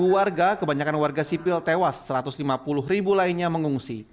dua puluh warga kebanyakan warga sipil tewas satu ratus lima puluh ribu lainnya mengungsi